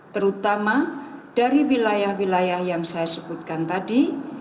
terutama dari wilayah wilayah yang saya sebutkan tadi